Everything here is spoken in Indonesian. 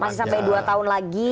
masih sampai dua tahun lagi